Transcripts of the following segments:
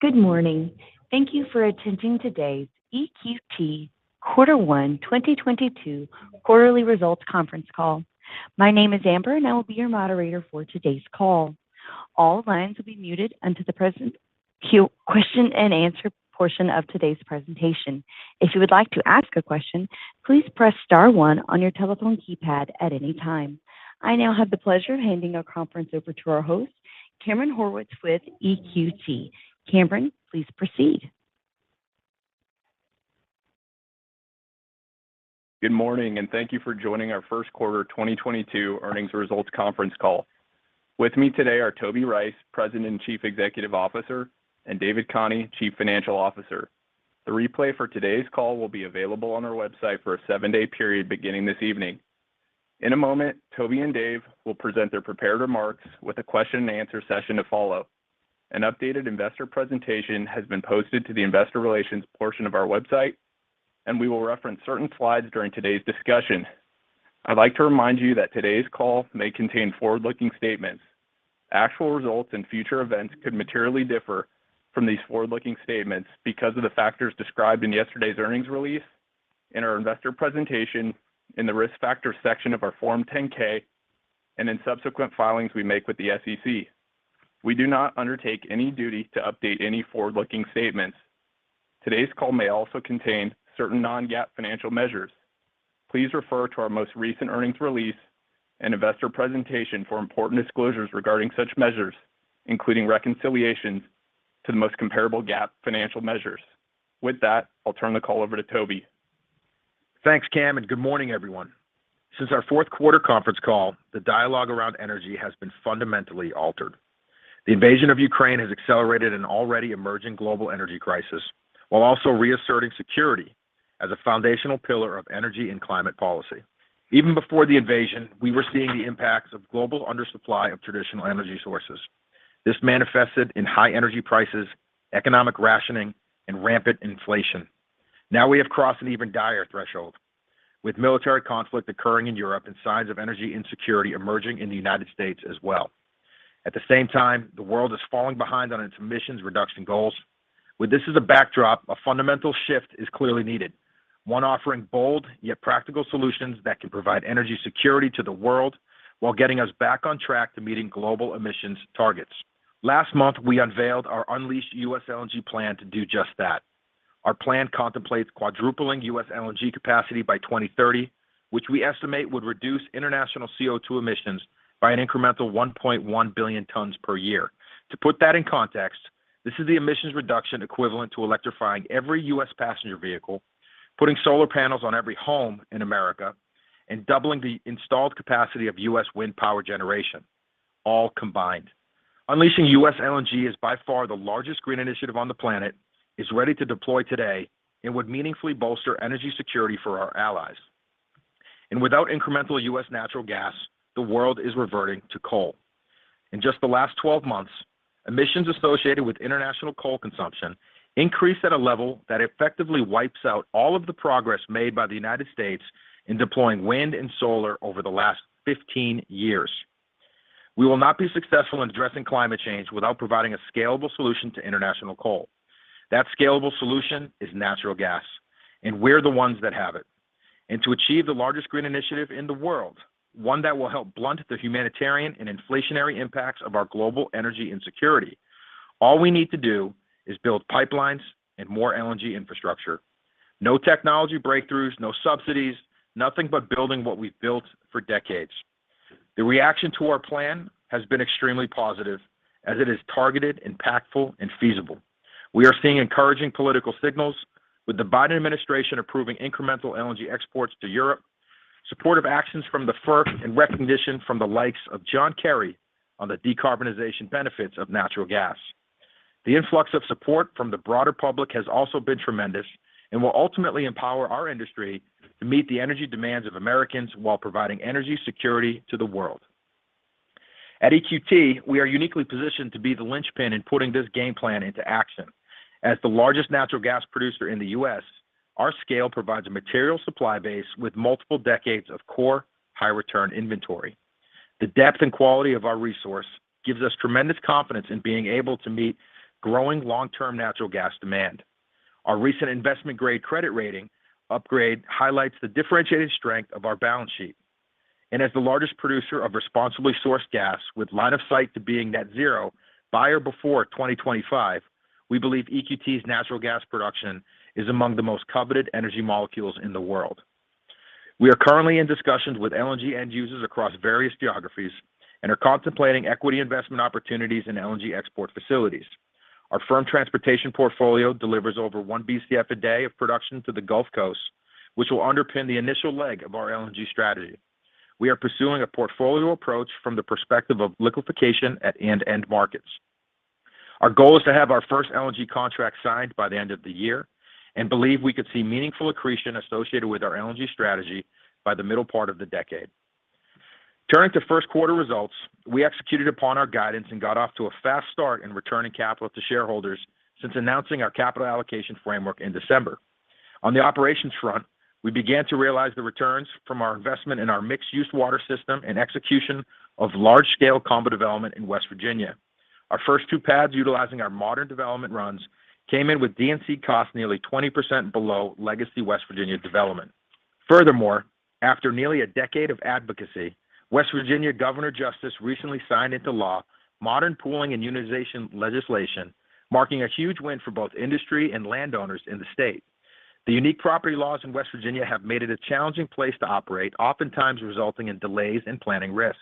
Good morning. Thank you for attending today's EQT Quarter 1 2022 Quarterly Results Conference Call. My name is Amber, and I will be your moderator for today's call. All lines will be muted until the question and answer portion of today's presentation. If you would like to ask a question, please press star one on your telephone keypad at any time. I now have the pleasure of handing the conference over to our host, Cameron Horwitz with EQT. Cameron, please proceed. Good morning, and thank you for joining our first quarter 2022 earnings results conference call. With me today are Toby Rice, President and Chief Executive Officer, and David Khani, Chief Financial Officer. The replay for today's call will be available on our website for a seven-day period beginning this evening. In a moment, Toby and Dave will present their prepared remarks with a question and answer session to follow. An updated investor presentation has been posted to the investor relations portion of our website, and we will reference certain slides during today's discussion. I'd like to remind you that today's call may contain forward-looking statements. Actual results in future events could materially differ from these forward-looking statements because of the factors described in yesterday's earnings release, in our investor presentation, in the Risk Factors section of our Form 10-K, and in subsequent filings we make with the SEC. We do not undertake any duty to update any forward-looking statements. Today's call may also contain certain non-GAAP financial measures. Please refer to our most recent earnings release and investor presentation for important disclosures regarding such measures, including reconciliations to the most comparable GAAP financial measures. With that, I'll turn the call over to Toby. Thanks, Cam, and good morning, everyone. Since our fourth quarter conference call, the dialogue around energy has been fundamentally altered. The invasion of Ukraine has accelerated an already emerging global energy crisis while also reasserting security as a foundational pillar of energy and climate policy. Even before the invasion, we were seeing the impacts of global undersupply of traditional energy sources. This manifested in high energy prices, economic rationing, and rampant inflation. Now we have crossed an even dire threshold with military conflict occurring in Europe and signs of energy insecurity emerging in the United States as well. At the same time, the world is falling behind on its emissions reduction goals. With this as a backdrop, a fundamental shift is clearly needed. One offering bold yet practical solutions that can provide energy security to the world while getting us back on track to meeting global emissions targets. Last month, we unveiled our Unleash U.S. LNG plan to do just that. Our plan contemplates quadrupling U.S. LNG capacity by 2030, which we estimate would reduce international CO₂ emissions by an incremental 1.1 billion tons per year. To put that in context, this is the emissions reduction equivalent to electrifying every U.S. passenger vehicle, putting solar panels on every home in America, and doubling the installed capacity of U.S. wind power generation, all combined. Unleashing U.S. LNG is by far the largest green initiative on the planet, is ready to deploy today, and would meaningfully bolster energy security for our allies. Without incremental U.S. natural gas, the world is reverting to coal. In just the last 12 months, emissions associated with international coal consumption increased at a level that effectively wipes out all of the progress made by the United States in deploying wind and solar over the last 15 years. We will not be successful in addressing climate change without providing a scalable solution to international coal. That scalable solution is natural gas, and we're the ones that have it. To achieve the largest green initiative in the world, one that will help blunt the humanitarian and inflationary impacts of our global energy insecurity, all we need to do is build pipelines and more LNG infrastructure. No technology breakthroughs, no subsidies, nothing but building what we've built for decades. The reaction to our plan has been extremely positive as it is targeted, impactful and feasible. We are seeing encouraging political signals with the Biden administration approving incremental LNG exports to Europe, supportive actions from the FERC, and recognition from the likes of John Kerry on the decarbonization benefits of natural gas. The influx of support from the broader public has also been tremendous and will ultimately empower our industry to meet the energy demands of Americans while providing energy security to the world. At EQT, we are uniquely positioned to be the linchpin in putting this game plan into action. As the largest natural gas producer in the U.S., our scale provides a material supply base with multiple decades of core high return inventory. The depth and quality of our resource gives us tremendous confidence in being able to meet growing long-term natural gas demand. Our recent investment-grade credit rating upgrade highlights the differentiated strength of our balance sheet. As the largest producer of responsibly sourced gas with line of sight to being net zero by or before 2025, we believe EQT's natural gas production is among the most coveted energy molecules in the world. We are currently in discussions with LNG end users across various geographies and are contemplating equity investment opportunities in LNG export facilities. Our firm transportation portfolio delivers over 1 Bcf a day of production to the Gulf Coast, which will underpin the initial leg of our LNG strategy. We are pursuing a portfolio approach from the perspective of liquefaction at end markets. Our goal is to have our first LNG contract signed by the end of the year and believe we could see meaningful accretion associated with our LNG strategy by the middle part of the decade. Turning to first quarter results, we executed upon our guidance and got off to a fast start in returning capital to shareholders since announcing our capital allocation framework in December. On the operations front, we began to realize the returns from our investment in our mixed-use water system and execution of large-scale combo development in West Virginia. Our first two pads utilizing our modern development runs came in with D&C costs nearly 20% below legacy West Virginia development. Furthermore, after nearly a decade of advocacy, West Virginia Governor Jim Justice recently signed into law modern pooling and unitization legislation, marking a huge win for both industry and landowners in the state. The unique property laws in West Virginia have made it a challenging place to operate, oftentimes resulting in delays and planning risks.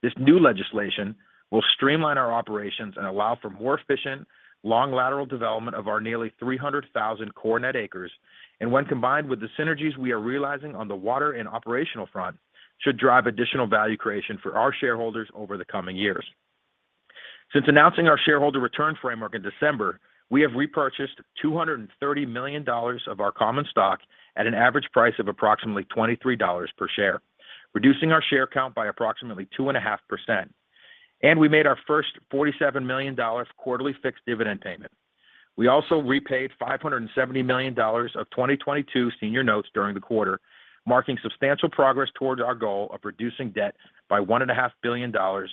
This new legislation will streamline our operations and allow for more efficient long lateral development of our nearly 300,000 core net acres, and when combined with the synergies we are realizing on the water and operational front, should drive additional value creation for our shareholders over the coming years. Since announcing our shareholder return framework in December, we have repurchased $230 million of our common stock at an average price of approximately $23 per share, reducing our share count by approximately 2.5%. We made our first $47 million quarterly fixed dividend payment. We also repaid $570 million of 2022 senior notes during the quarter, marking substantial progress towards our goal of reducing debt by $1.5 billion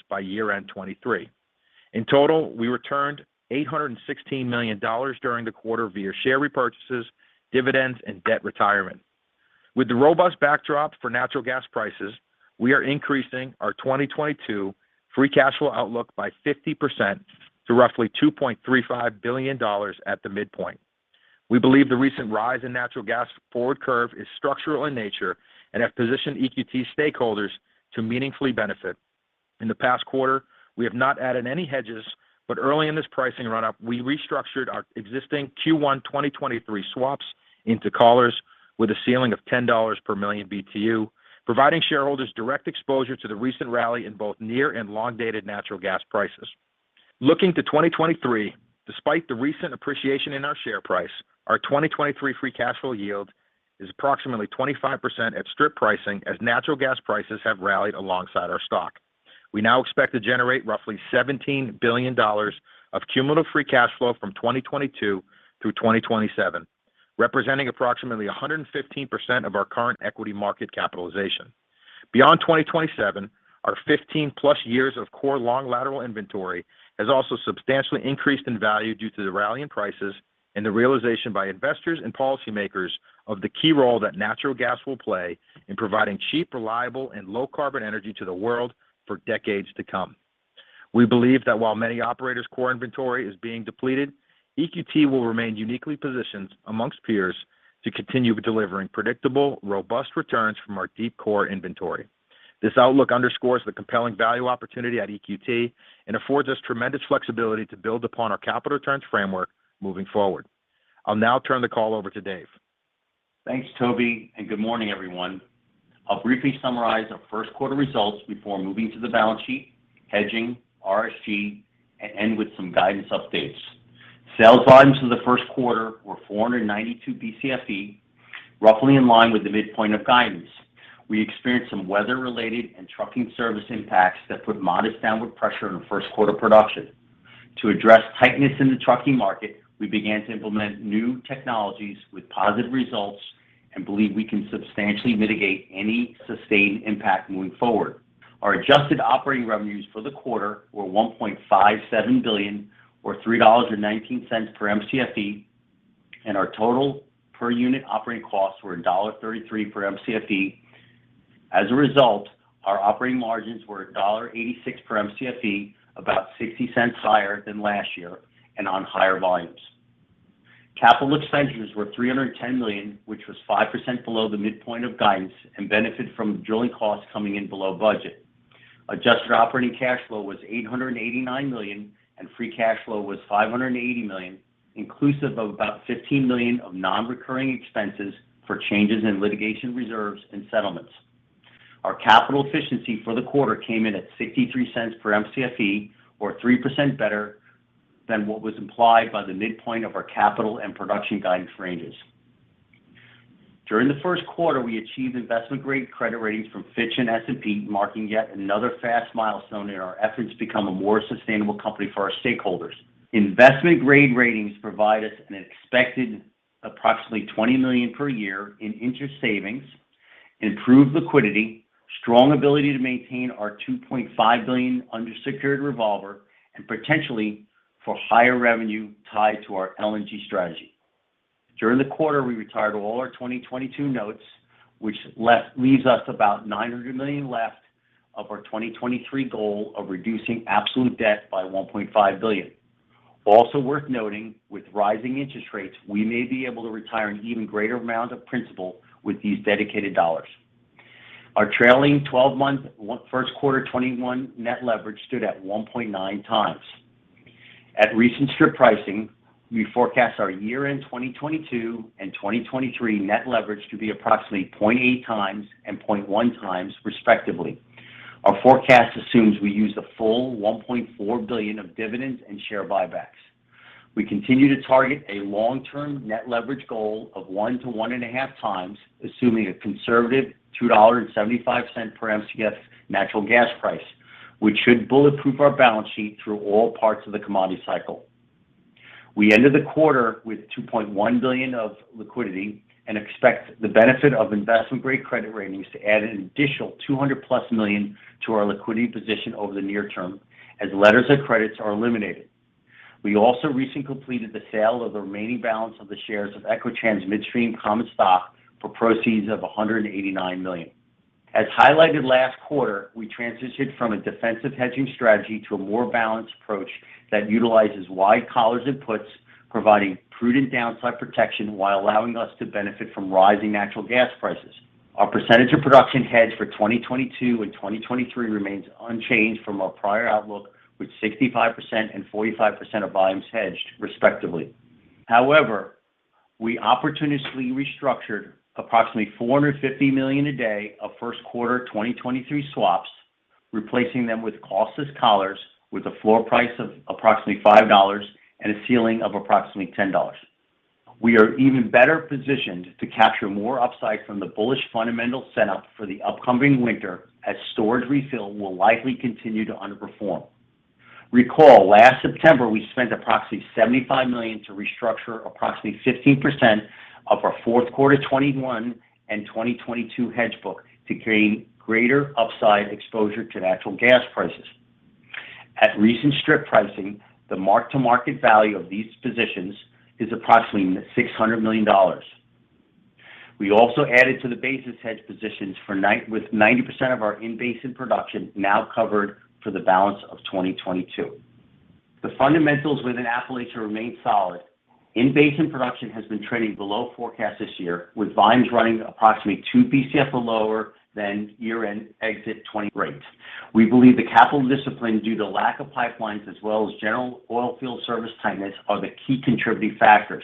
by year-end 2023. In total, we returned $816 million during the quarter via share repurchases, dividends, and debt retirement. With the robust backdrop for natural gas prices, we are increasing our 2022 free cash flow outlook by 50% to roughly $2.35 billion at the midpoint. We believe the recent rise in natural gas forward curve is structural in nature and have positioned EQT stakeholders to meaningfully benefit. In the past quarter, we have not added any hedges, but early in this pricing run-up, we restructured our existing Q1 2023 swaps into callers with a ceiling of $10 per MMBtu, providing shareholders direct exposure to the recent rally in both near and long-dated natural gas prices. Looking to 2023, despite the recent appreciation in our share price, our 2023 free cash flow yield is approximately 25% at strip pricing as natural gas prices have rallied alongside our stock. We now expect to generate roughly $17 billion of cumulative free cash flow from 2022 through 2027, representing approximately 115% of our current equity market capitalization. Beyond 2027, our 15+ years of core long lateral inventory has also substantially increased in value due to the rally in prices and the realization by investors and policymakers of the key role that natural gas will play in providing cheap, reliable, and low carbon energy to the world for decades to come. We believe that while many operators' core inventory is being depleted, EQT will remain uniquely positioned among peers to continue delivering predictable, robust returns from our deep core inventory. This outlook underscores the compelling value opportunity at EQT and affords us tremendous flexibility to build upon our capital returns framework moving forward. I'll now turn the call over to Dave. Thanks, Toby, and good morning, everyone. I'll briefly summarize our first quarter results before moving to the balance sheet, hedging, RSG, and end with some guidance updates. Sales volumes in the first quarter were 492 BCFE, roughly in line with the midpoint of guidance. We experienced some weather-related and trucking service impacts that put modest downward pressure on first quarter production. To address tightness in the trucking market, we began to implement new technologies with positive results and believe we can substantially mitigate any sustained impact moving forward. Our adjusted operating revenues for the quarter were $1.57 billion or $3.19 per MCFE, and our total per unit operating costs were $1.33 per MCFE. As a result, our operating margins were $1.86 per MCFE, about $0.60 higher than last year and on higher volumes. Capital expenditures were $310 million, which was 5% below the midpoint of guidance and benefited from drilling costs coming in below budget. Adjusted operating cash flow was $889 million, and free cash flow was $580 million, inclusive of about $15 million of non-recurring expenses for changes in litigation reserves and settlements. Our capital efficiency for the quarter came in at $0.63 per MCFE, or 3% better than what was implied by the midpoint of our capital and production guidance ranges. During the first quarter, we achieved investment-grade credit ratings from Fitch and S&P, marking yet another vast milestone in our efforts to become a more sustainable company for our stakeholders. Investment grade ratings provide us an expected approximately $20 million per year in interest savings, improved liquidity, strong ability to maintain our $2.5 billion undersecured revolver, and potentially for higher revenue tied to our LNG strategy. During the quarter, we retired all our 2022 notes, which leaves us about $900 million left of our 2023 goal of reducing absolute debt by $1.5 billion. Also worth noting, with rising interest rates, we may be able to retire an even greater amount of principal with these dedicated dollars. Our trailing twelve-month first quarter 2021 net leverage stood at 1.9x. At recent strip pricing, we forecast our year-end 2022 and 2023 net leverage to be approximately 0.8x and 0.1x respectively. Our forecast assumes we use the full $1.4 billion of dividends and share buybacks. We continue to target a long-term net leverage goal of 1-1.5x, assuming a conservative $2.75 per MCF natural gas price, which should bulletproof our balance sheet through all parts of the commodity cycle. We ended the quarter with $2.1 billion of liquidity and expect the benefit of investment-grade credit ratings to add an additional $200+ million to our liquidity position over the near term as letters of credit are eliminated. We also recently completed the sale of the remaining balance of the shares of Equitrans Midstream common stock for proceeds of $189 million. As highlighted last quarter, we transitioned from a defensive hedging strategy to a more balanced approach that utilizes wide collars and puts, providing prudent downside protection while allowing us to benefit from rising natural gas prices. Our percentage of production hedged for 2022 and 2023 remains unchanged from our prior outlook, with 65% and 45% of volumes hedged, respectively. However, we opportunistically restructured approximately 450 million a day of first quarter 2023 swaps, replacing them with costless collars with a floor price of approximately $5 and a ceiling of approximately $10. We are even better positioned to capture more upside from the bullish fundamental setup for the upcoming winter, as storage refill will likely continue to underperform. Recall, last September, we spent approximately $75 million to restructure approximately 15% of our fourth quarter 2021 and 2022 hedge book to gain greater upside exposure to natural gas prices. At recent strip pricing, the mark-to-market value of these positions is approximately $600 million. We also added to the basis hedge positions, with 90% of our in-basin production now covered for the balance of 2022. The fundamentals within Appalachia remain solid. In-basin production has been trending below forecast this year, with volumes running approximately 2 Bcf or lower than year-end exit 2020 rates. We believe the capital discipline, due to lack of pipelines as well as general oil field service tightness, are the key contributing factors.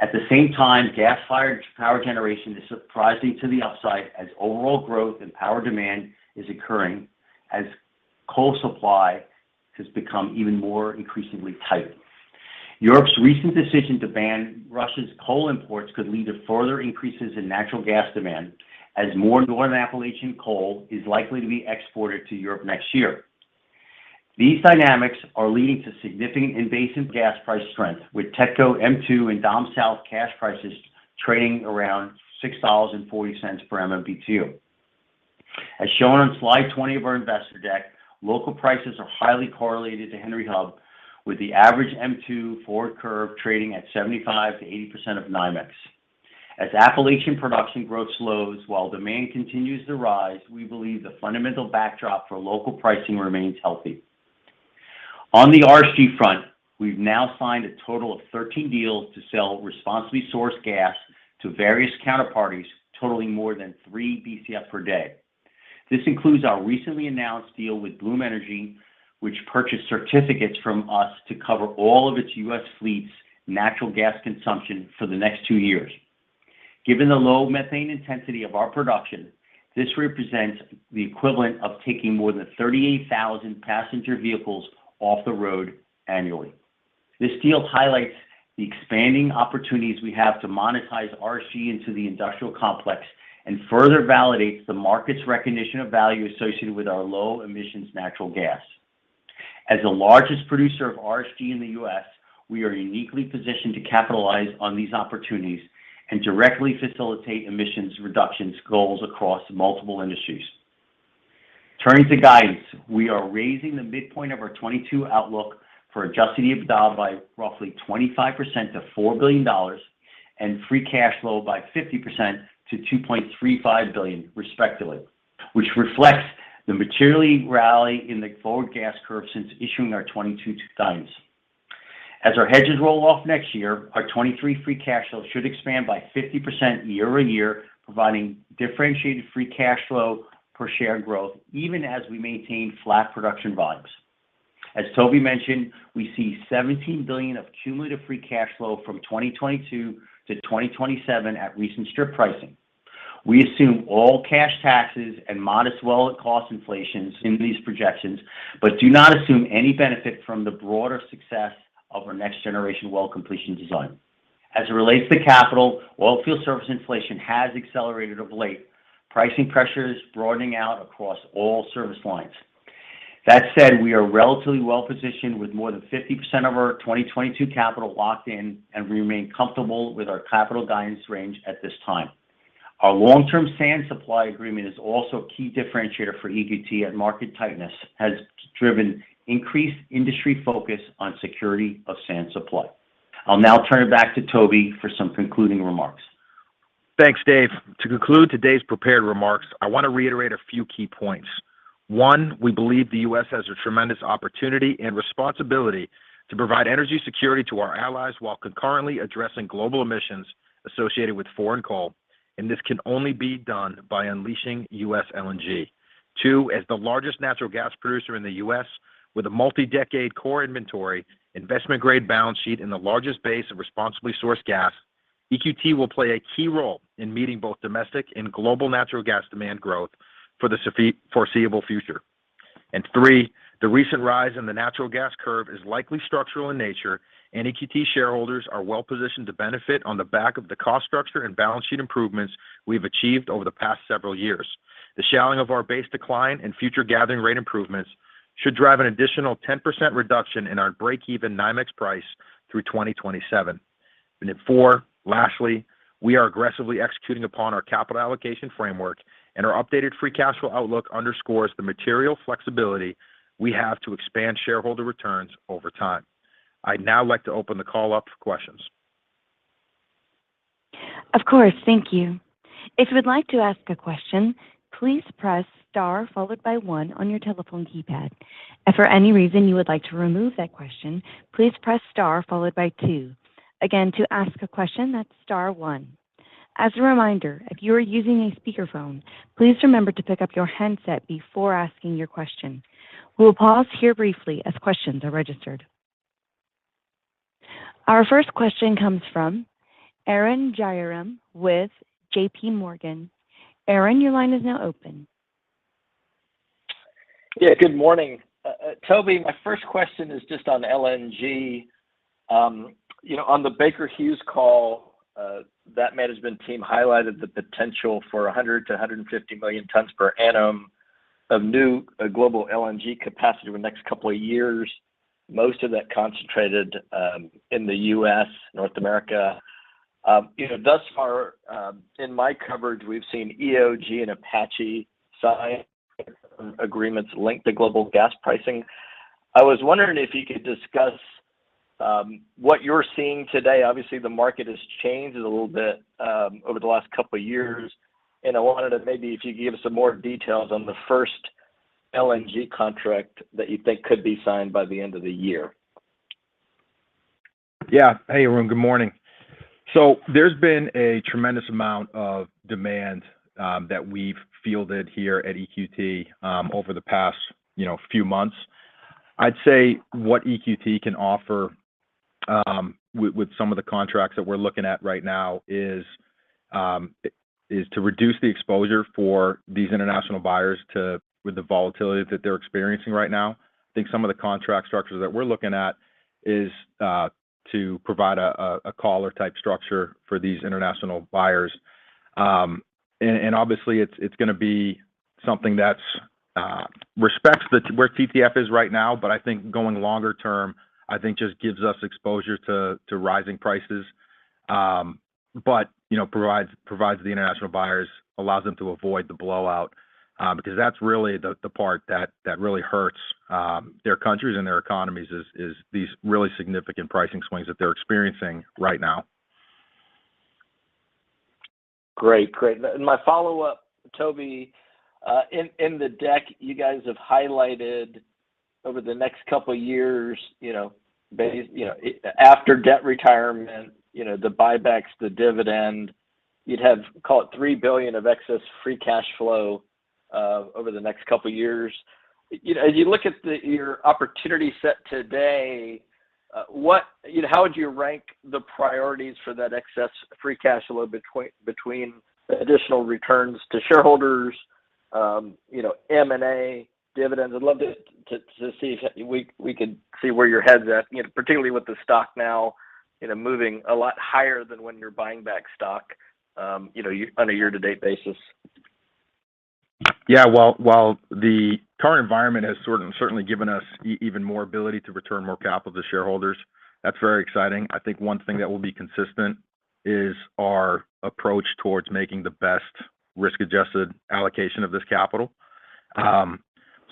At the same time, gas-fired power generation is surprising to the upside as overall growth in power demand is occurring as coal supply has become even more increasingly tight. Europe's recent decision to ban Russia's coal imports could lead to further increases in natural gas demand as more North Appalachian coal is likely to be exported to Europe next year. These dynamics are leading to significant impressive gas price strength, with TETCO M2 and Dom South cash prices trading around $6.40 per MMBtu. As shown on slide 20 of our investor deck, local prices are highly correlated to Henry Hub, with the average M2 forward curve trading at 75%-80% of NYMEX. As Appalachian production growth slows while demand continues to rise, we believe the fundamental backdrop for local pricing remains healthy. On the RSG front, we've now signed a total of 13 deals to sell responsibly sourced gas to various counterparties, totaling more than 3 Bcf per day. This includes our recently announced deal with Bloom Energy, which purchased certificates from us to cover all of its U.S. fleet's natural gas consumption for the next 2 years. Given the low methane intensity of our production, this represents the equivalent of taking more than 38,000 passenger vehicles off the road annually. This deal highlights the expanding opportunities we have to monetize RSG into the industrial complex and further validates the market's recognition of value associated with our low emissions natural gas. As the largest producer of RSG in the U.S., we are uniquely positioned to capitalize on these opportunities and directly facilitate emissions reductions goals across multiple industries. Turning to guidance, we are raising the midpoint of our 2022 outlook for adjusted EBITDA by roughly 25% to $4 billion and free cash flow by 50% to $2.35 billion, respectively, which reflects the material rally in the forward gas curve since issuing our 2022 guidance. As our hedges roll off next year, our 2023 free cash flow should expand by 50% year-over-year, providing differentiated free cash flow per share growth even as we maintain flat production volumes. As Toby mentioned, we see $17 billion of cumulative free cash flow from 2022 to 2027 at recent strip pricing. We assume all cash taxes and modest well cost inflation in these projections, but do not assume any benefit from the broader success of our next generation well completion design. As it relates to capital, oil field service inflation has accelerated of late, pricing pressures broadening out across all service lines. That said, we are relatively well-positioned with more than 50% of our 2022 capital locked in and remain comfortable with our capital guidance range at this time. Our long-term sand supply agreement is also a key differentiator for EQT, and market tightness has driven increased industry focus on security of sand supply. I'll now turn it back to Toby for some concluding remarks. Thanks, Dave. To conclude today's prepared remarks, I want to reiterate a few key points. One, we believe the U.S. has a tremendous opportunity and responsibility to provide energy security to our allies while concurrently addressing global emissions associated with foreign coal, and this can only be done by unleashing U.S. LNG. Two, as the largest natural gas producer in the U.S. with a multi-decade core inventory, investment-grade balance sheet, and the largest base of responsibly sourced gas, EQT will play a key role in meeting both domestic and global natural gas demand growth for the foreseeable future. Three, the recent rise in the natural gas curve is likely structural in nature, and EQT shareholders are well-positioned to benefit on the back of the cost structure and balance sheet improvements we've achieved over the past several years. The shallowing of our base decline and future gathering rate improvements should drive an additional 10% reduction in our breakeven NYMEX price through 2027. Four, lastly, we are aggressively executing upon our capital allocation framework, and our updated free cash flow outlook underscores the material flexibility we have to expand shareholder returns over time. I'd now like to open the call up for questions. Of course. Thank you. If you would like to ask a question, please press Star followed by one on your telephone keypad. If for any reason you would like to remove that question, please press Star followed by two. Again, to ask a question, that's Star one. As a reminder, if you are using a speakerphone, please remember to pick up your handset before asking your question. We'll pause here briefly as questions are registered. Our first question comes from Arun Jayaram with J.P. Morgan. Arun, your line is now open. Yeah. Good morning. Toby, my first question is just on LNG. You know, on the Baker Hughes call, that management team highlighted the potential for 100-150 million tons per annum of new global LNG capacity over the next couple of years, most of that concentrated in the U.S., North America. You know, thus far in my coverage, we've seen EOG and Apache sign agreements linked to global gas pricing. I was wondering if you could discuss what you're seeing today. Obviously, the market has changed a little bit over the last couple of years, and I wondered if maybe if you could give us some more details on the first LNG contract that you think could be signed by the end of the year. Yeah. Hey, Arun Jayaram. Good morning. There's been a tremendous amount of demand that we've fielded here at EQT over the past, you know, few months. I'd say what EQT can offer with some of the contracts that we're looking at right now is to reduce the exposure for these international buyers to the volatility that they're experiencing right now. I think some of the contract structures that we're looking at is to provide a collar-type structure for these international buyers. Obviously it's gonna be something that respects where TTF is right now, but I think going longer term, I think just gives us exposure to rising prices, but you know, provides the international buyers, allows them to avoid the blowout, because that's really the part that really hurts their countries and their economies is these really significant pricing swings that they're experiencing right now. Great. My follow-up, Toby, in the deck you guys have highlighted over the next couple of years, you know, after debt retirement, you know, the buybacks, the dividend, you'd have, call it, $3 billion of excess free cash flow over the next couple of years. You know, as you look at your opportunity set today, you know, how would you rank the priorities for that excess free cash flow between additional returns to shareholders, you know, M&A, dividends? I'd love to see if we could see where your head's at, you know, particularly with the stock now, you know, moving a lot higher than when you're buying back stock, you know, on a year-to-date basis. Yeah. While the current environment has sort of certainly given us even more ability to return more capital to shareholders, that's very exciting. I think one thing that will be consistent is our approach towards making the best risk-adjusted allocation of this capital.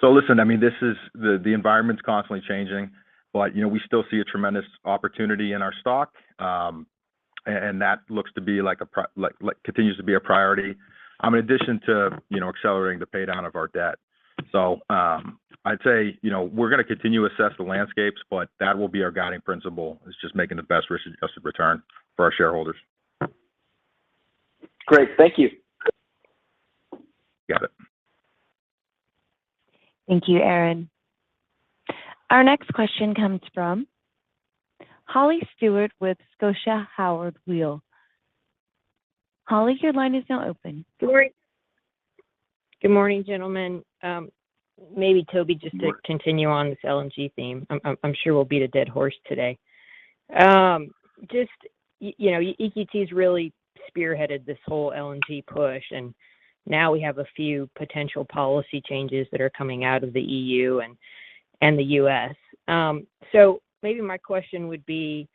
So listen, I mean, the environment's constantly changing, but, you know, we still see a tremendous opportunity in our stock, and that looks to be like continues to be a priority, in addition to, you know, accelerating the pay down of our debt. I'd say, you know, we're gonna continue to assess the landscapes, but that will be our guiding principle, is just making the best risk-adjusted return for our shareholders. Great. Thank you. Got it. Thank you, Arun. Our next question comes from Holly Stewart with Scotia Howard Weil. Holly, your line is now open. Good morning. Good morning, gentlemen. Maybe Toby, just to continue on this LNG theme, I'm sure we'll beat a dead horse today. Just, you know, EQT's really spearheaded this whole LNG push, and now we have a few potential policy changes that are coming out of the EU and the US. Maybe my question would be,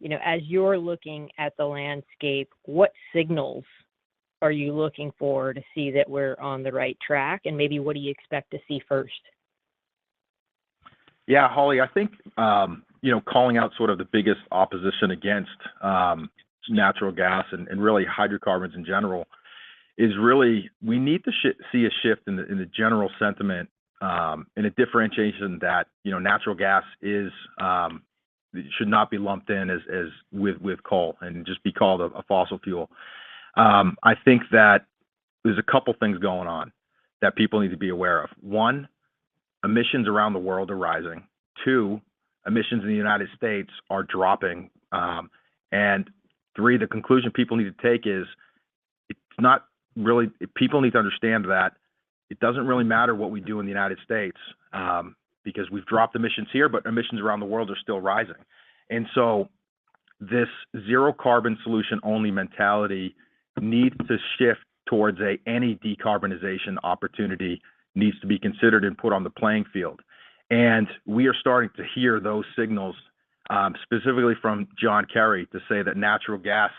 you know, as you're looking at the landscape, what signals are you looking for to see that we're on the right track? Maybe what do you expect to see first? Yeah. Holly, I think, you know, calling out sort of the biggest opposition against natural gas and really hydrocarbons in general is really we need to see a shift in the general sentiment, and a differentiation that, you know, natural gas should not be lumped in as with coal and just be called a fossil fuel. I think that there's a couple of things going on that people need to be aware of. One, emissions around the world are rising. Two, emissions in the United States are dropping. Three, the conclusion people need to take is people need to understand that it doesn't really matter what we do in the United States, because we've dropped emissions here, but emissions around the world are still rising. This zero carbon solution only mentality needs to shift towards any decarbonization opportunity needs to be considered and put on the playing field. We are starting to hear those signals, specifically from John Kerry to say that natural gas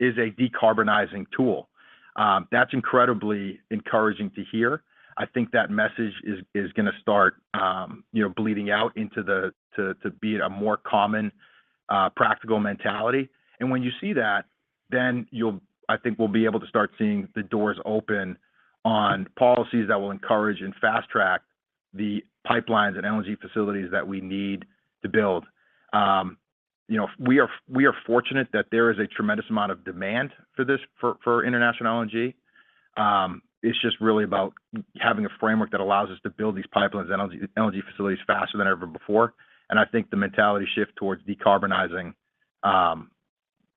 is a decarbonizing tool. That's incredibly encouraging to hear. I think that message is gonna start you know bleeding out into to be a more common practical mentality. When you see that, I think we'll be able to start seeing the doors open on policies that will encourage and fast-track the pipelines and LNG facilities that we need to build. You know, we are fortunate that there is a tremendous amount of demand for this for international LNG. It's just really about having a framework that allows us to build these pipelines, LNG facilities faster than ever before. I think the mentality shift towards decarbonizing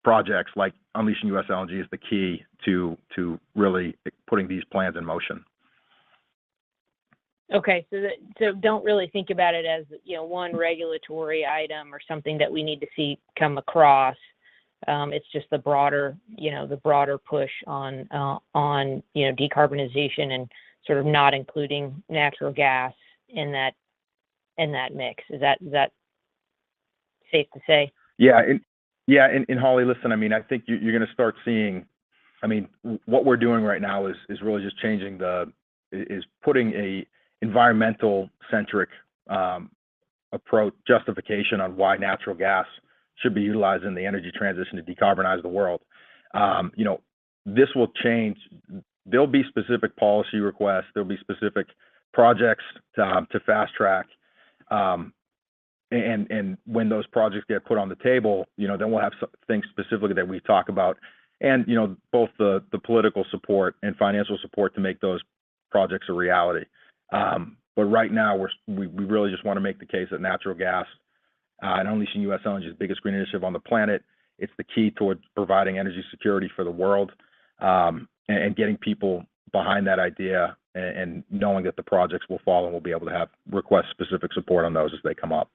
projects like Unleash U.S LNG is the key to really putting these plans in motion. Don't really think about it as, you know, one regulatory item or something that we need to see come across. It's just the broader, you know, push on, you know, decarbonization and sort of not including natural gas in that mix. Is that safe to say? Holly, listen, I mean, I think you're gonna start seeing. I mean, what we're doing right now is really just putting an environmentally centric approach justification on why natural gas should be utilized in the energy transition to decarbonize the world. You know, this will change. There'll be specific policy requests, there'll be specific projects to fast track. When those projects get put on the table, you know, then we'll have things specifically that we talk about and, you know, both the political support and financial support to make those projects a reality. Right now we really just wanna make the case that natural gas and unleashing US LNG is the biggest green initiative on the planet. It's the key toward providing energy security for the world, and getting people behind that idea and knowing that the projects will follow and we'll be able to have request specific support on those as they come up.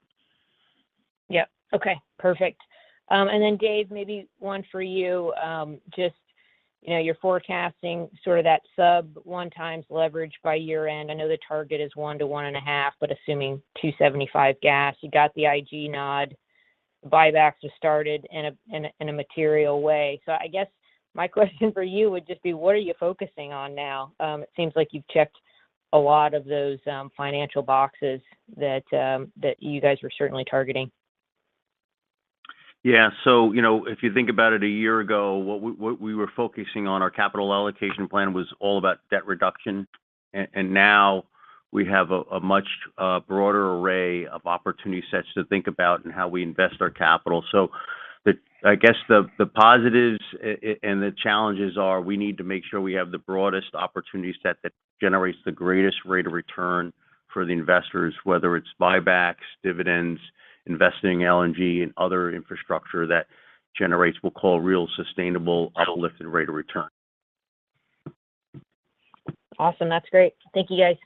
Yep. Okay, perfect. Dave, maybe one for you. Just, you know, you're forecasting sort of that sub-1x leverage by year-end. I know the target is 1-1.5, but assuming $2.75 gas, you got the IG nod, buybacks just started in a material way. I guess my question for you would just be, what are you focusing on now? It seems like you've checked a lot of those financial boxes that you guys were certainly targeting. Yeah. You know, if you think about it, a year ago, what we were focusing on our capital allocation plan was all about debt reduction. And now we have a much broader array of opportunity sets to think about in how we invest our capital. I guess the positives and the challenges are we need to make sure we have the broadest opportunity set that generates the greatest rate of return for the investors, whether it's buybacks, dividends, investing LNG and other infrastructure that generates, we'll call real sustainable uplifted rate of return. Awesome. That's great. Thank you guys.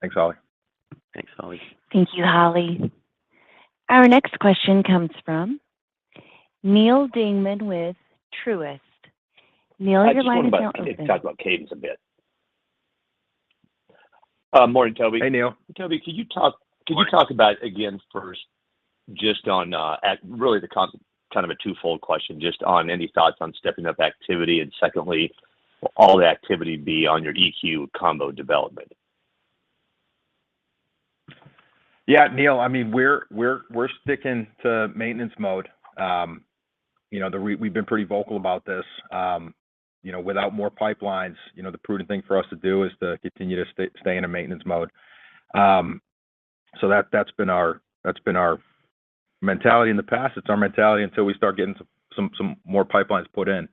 Thanks, Holly. Thanks Holly. Thank you, Holly. Our next question comes from Neal Dingmann with Truist. Neal, your line is now open. I just wanted to talk about cadence a bit. Morning, Toby. Hey Neal. Toby, can you talk? Morning Can you talk about, again, first just on, at really kind of a twofold question, just on any thoughts on stepping up activity, and secondly, will all the activity be on your EQT combo development? Yeah, Neal, I mean, we're sticking to maintenance mode. You know, we've been pretty vocal about this. You know, without more pipelines, you know, the prudent thing for us to do is to continue to stay in a maintenance mode. That's been our mentality in the past. It's our mentality until we start getting some more pipelines put in.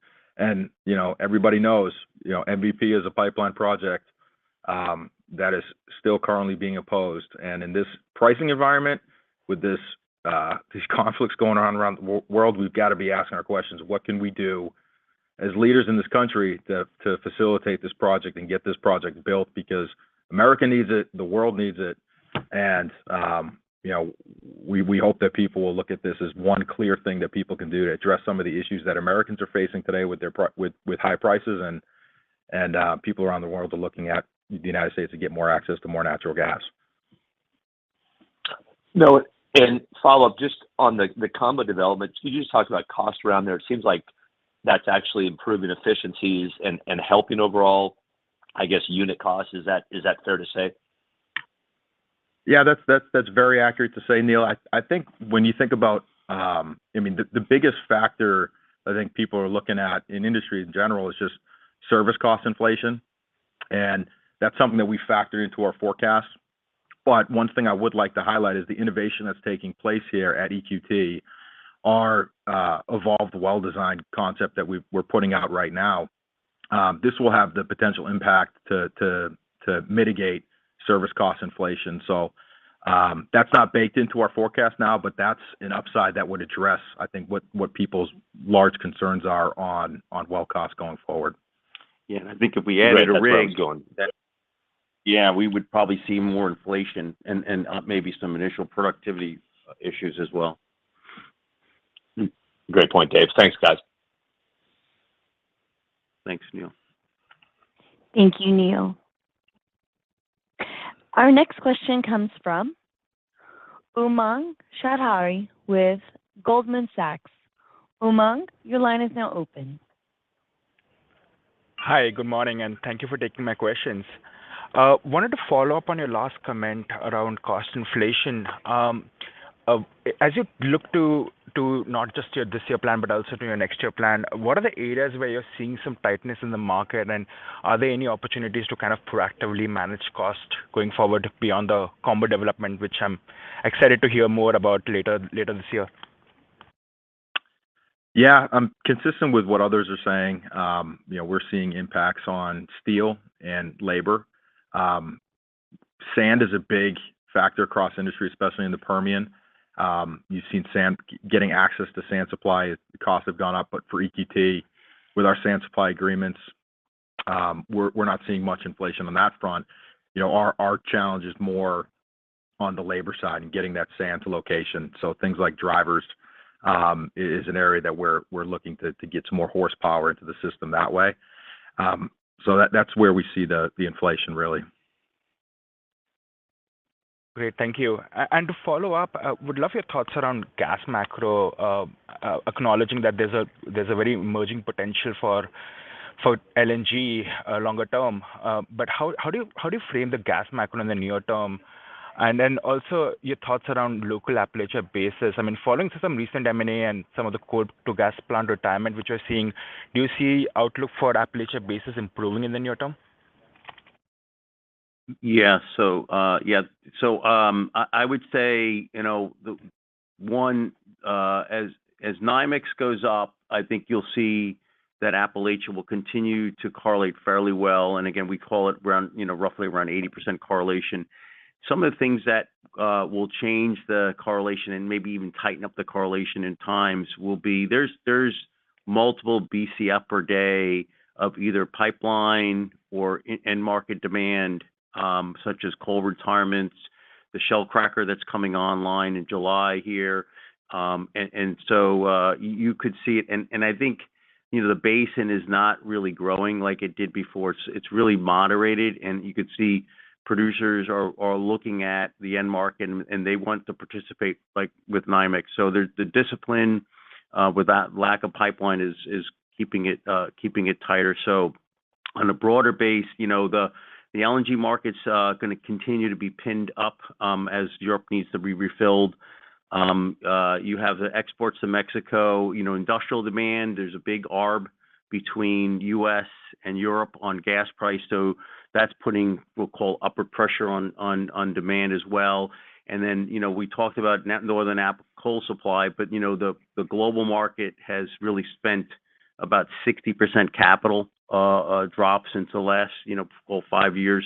Everybody knows, you know, MVP is a pipeline project that is still currently being opposed. In this pricing environment with these conflicts going on around the world, we've gotta be asking our questions, what can we do as leaders in this country to facilitate this project and get this project built because America needs it, the world needs it. You know, we hope that people will look at this as one clear thing that people can do to address some of the issues that Americans are facing today with their high prices and people around the world are looking at the United States to get more access to more natural gas. No. Follow up just on the combo development. Can you just talk about cost around there? It seems like that's actually improving efficiencies and helping overall, I guess unit cost. Is that fair to say? Yeah, that's very accurate to say, Neal. I think when you think about, I mean the biggest factor I think people are looking at in industry in general is just service cost inflation. That's something that we factor into our forecast. One thing I would like to highlight is the innovation that's taking place here at EQT, our evolved well design concept that we're putting out right now. This will have the potential impact to mitigate service cost inflation. That's not baked into our forecast now, but that's an upside that would address, I think what people's large concerns are on well costs going forward. Yeah. I think if we added to rigs. Rate of rig Yeah, we would probably see more inflation and maybe some initial productivity issues as well. Great point, Dave. Thanks, guys. Thanks, Neal. Thank you, Neal. Our next question comes from Umang Choudhary with Goldman Sachs. Umang, your line is now open. Hi, good morning, and thank you for taking my questions. Wanted to follow up on your last comment around cost inflation. As you look to not just your this year plan, but also to your next year plan, what are the areas where you're seeing some tightness in the market, and are there any opportunities to kind of proactively manage cost going forward beyond the combo development, which I'm excited to hear more about later this year? Yeah. Consistent with what others are saying, you know, we're seeing impacts on steel and labor. Sand is a big factor across industry, especially in the Permian. You've seen sand getting access to sand supply costs have gone up, but for EQT, with our sand supply agreements, we're not seeing much inflation on that front. You know, our challenge is more on the labor side and getting that sand to location. Things like drivers is an area that we're looking to get some more horsepower into the system that way. That's where we see the inflation, really. Great. Thank you. To follow up, would love your thoughts around gas macro, acknowledging that there's a very emerging potential for LNG longer term. How do you frame the gas macro in the near term? Also your thoughts around local Appalachian basis. I mean, following some recent M&A and some of the coal to gas plant retirement which we're seeing, do you see outlook for Appalachian basis improving in the near term? I would say, you know, the one, as NYMEX goes up, I think you'll see that Appalachia will continue to correlate fairly well. Again, we call it around, you know, roughly around 80% correlation. Some of the things that will change the correlation and maybe even tighten up the correlation in times will be there's multiple Bcf per day of either pipeline or end market demand, such as coal retirements, the Shell cracker that's coming online in July here. So you could see it. I think, you know, the basin is not really growing like it did before. It's really moderated, and you could see producers are looking at the end market, and they want to participate like with NYMEX. There's the discipline with that lack of pipeline is keeping it tighter. On a broader base, you know, the LNG market's gonna continue to be pinned up as Europe needs to be refilled. You have the exports to Mexico, you know, industrial demand. There's a big arb between U.S. and Europe on gas price, so that's putting, we'll call, upward pressure on demand as well. Then, you know, we talked about Northern App coal supply, but you know, the global market has really seen about 60% capital drop since the last, you know, well, five years.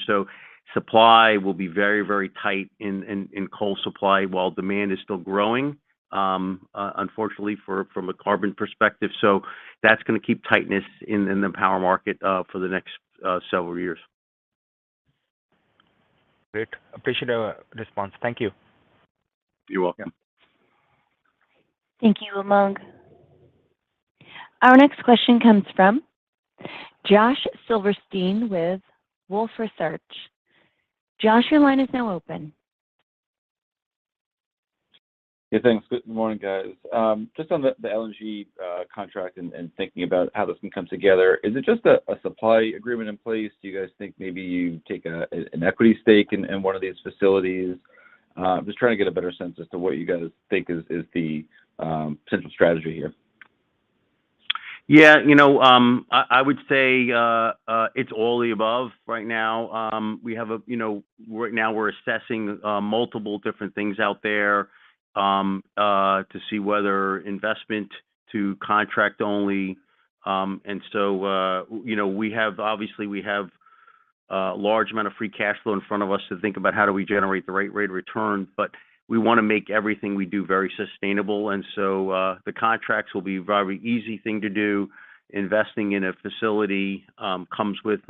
Supply will be very tight in coal supply while demand is still growing, unfortunately from a carbon perspective. That's gonna keep tightness in the power market for the next several years. Great. Appreciate your response. Thank you. You're welcome. Thank you, Umang. Our next question comes from Josh Silverstein with Wolfe Research. Josh, your line is now open. Yeah, thanks. Good morning, guys. Just on the LNG contract and thinking about how this can come together, is it just a supply agreement in place? Do you guys think maybe you take an equity stake in one of these facilities? Just trying to get a better sense as to what you guys think is the central strategy here. Yeah. You know, I would say it's all the above right now. We have a right now we're assessing multiple different things out there to see whether investment to contract only. You know, obviously, we have a large amount of free cash flow in front of us to think about how do we generate the right rate of return, but we wanna make everything we do very sustainable. The contracts will be a very easy thing to do. Investing in a facility comes with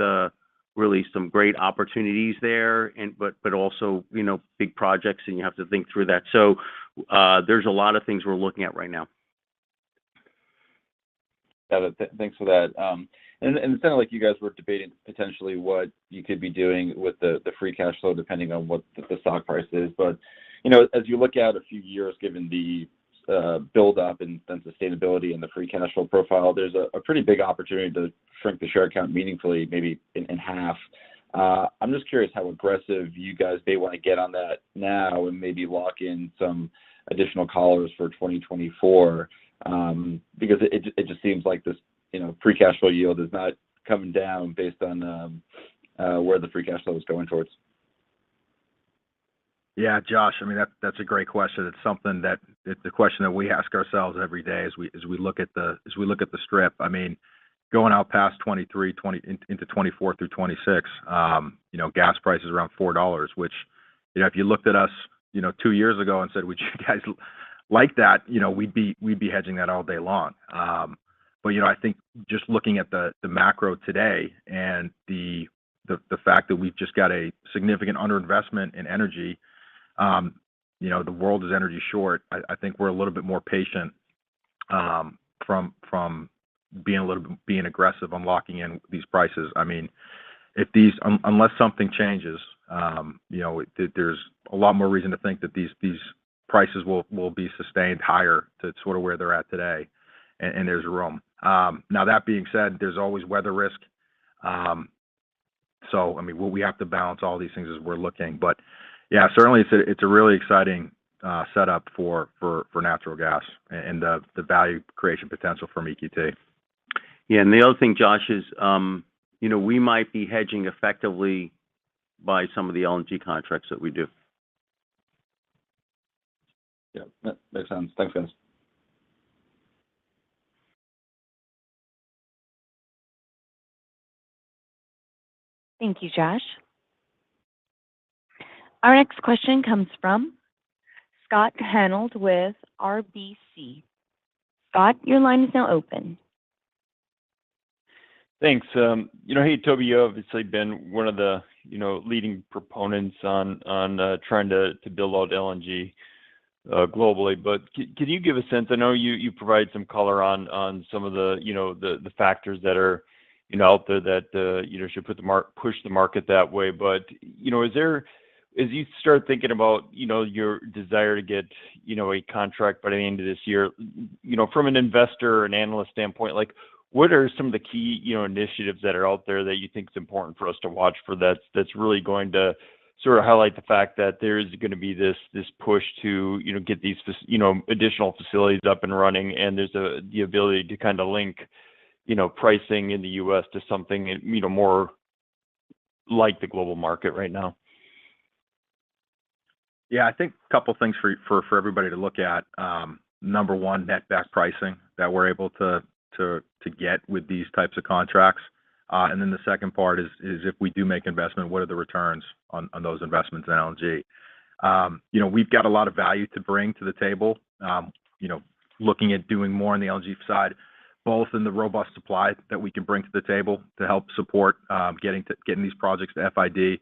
really some great opportunities there, but also big projects, and you have to think through that. There's a lot of things we're looking at right now. Got it. Thanks for that. It sounded like you guys were debating potentially what you could be doing with the free cash flow depending on what the stock price is. You know, as you look out a few years given the buildup and sustainability and the free cash flow profile, there's a pretty big opportunity to shrink the share count meaningfully, maybe in half. I'm just curious how aggressive you guys may wanna get on that now and maybe lock in some additional collars for 2024, because it just seems like this, you know, free cash flow yield is not coming down based on where the free cash flow is going towards. Yeah. Josh, I mean, that's a great question. It's a question that we ask ourselves every day as we look at the strip. I mean, going out past 2023 into 2024 through 2026, you know, gas price is around $4, which, if you looked at us two years ago and said, would you guys like that? You know, we'd be hedging that all day long. You know, I think just looking at the macro today and the fact that we've just got a significant underinvestment in energy, you know, the world is energy short. I think we're a little bit more patient from being a little aggressive on locking in these prices. I mean, unless something changes, there's a lot more reason to think that these prices will be sustained higher to sort of where they're at today, and there's room. Now that being said, there's always weather risk. I mean, we have to balance all these things as we're looking. Yeah, certainly it's a really exciting setup for natural gas and the value creation potential for EQT. Yeah. The other thing, Josh, is, you know, we might be hedging effectively by some of the LNG contracts that we do. Yeah. That makes sense. Thanks, guys. Thank you, Josh. Our next question comes from Scott Hanold with RBC. Scott, your line is now open. Thanks. You know, hey, Toby, you've obviously been one of the, you know, leading proponents on trying to build out LNG globally. Can you give a sense? I know you provided some color on some of the, you know, the factors that are, you know, out there that you know should push the market that way. As you start thinking about your desire to get a contract by the end of this year, from an investor and analyst standpoint, like what are some of the key initiatives that are out there that you think is important for us to watch for that's really going to sort of highlight the fact that there is gonna be this push to get these additional facilities up and running, and there's the ability to kind of link pricing in the US to something more like the global market right now? Yeah. I think a couple of things for everybody to look at. Number one, net back pricing that we're able to get with these types of contracts. Then the second part is if we do make investment, what are the returns on those investments in LNG? You know, we've got a lot of value to bring to the table, you know, looking at doing more on the LNG side, both in the robust supply that we can bring to the table to help support getting these projects to FID.